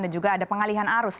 dan juga ada pengalihan arus